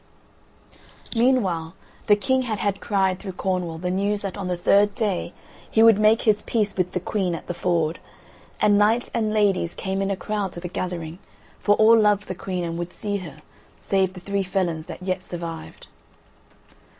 Meanwhile the King had had cried through Cornwall the news that on the third day he would make his peace with the Queen at the Ford, and knights and ladies came in a crowd to the gathering, for all loved the Queen and would see her, save the three felons that yet survived.